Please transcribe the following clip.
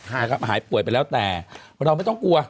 หายป่วยไปแล้วแต่เราไม่ต้องกลัว